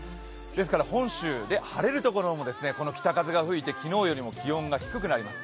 ですから本州で晴れる所も、この北風が吹いて昨日よりも気温が低くなります。